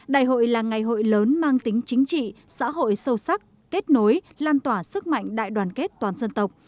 đại hội là ngày hội lớn mang tính chính trị xã hội sâu sắc kết nối lan tỏa sức mạnh đại đoàn kết toàn dân tộc